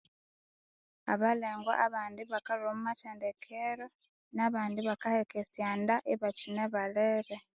Abalengwa abandi bakalhwa omwa mathendekero nabandi bakaheka esyanda ibakine balere